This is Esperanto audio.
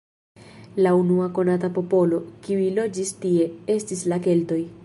La unua konata popolo, kiuj loĝis tie, estis la keltoj.